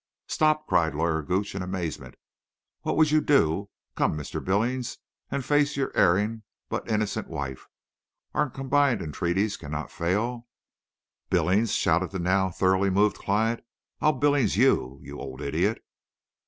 "Stop!" cried Lawyer Gooch, in amazement. "What would you do? Come, Mr. Billings, and face your erring but innocent wife. Our combined entreaties cannot fail to—" "Billings!" shouted the now thoroughly moved client. "I'll Billings you, you old idiot!"